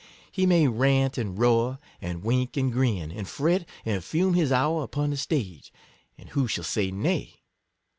He may rant and roar, and wink and grin, and fret and fume his hour upon the stage, and " who shall say nay?"